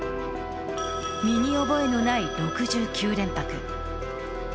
身に覚えのない６９連泊。